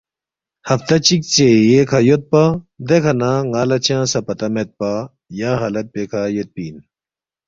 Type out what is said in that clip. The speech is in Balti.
ہفتہ چِک ژے ییکھہ یودپا دیکھہ نہ ن٘ا لہ چنگ سہ پتہ میدپا یا حالت پیکھہ یودپی اِن